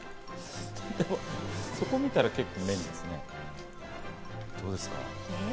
そこを見たら結構麺ですね。